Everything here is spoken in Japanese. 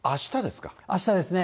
あしたですね。